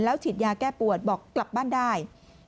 ฉีดยาแก้ปวดบอกกลับบ้านได้